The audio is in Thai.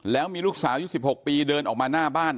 แล้วมีลูกสาวยุค๑๖ปีเดินออกมาหน้าบ้าน